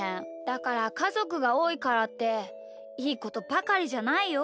だからかぞくがおおいからっていいことばかりじゃないよ。